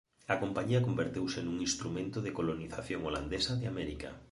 A Compañía converteuse nun instrumento da colonización holandesa de América.